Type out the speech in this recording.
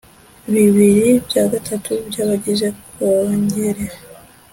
bibiri bya gatatu by abagize Kongere